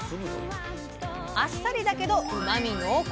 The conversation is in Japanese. あっさりだけどうまみ濃厚！